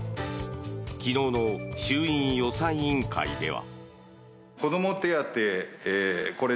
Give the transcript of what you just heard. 昨日の衆院予算委員会では。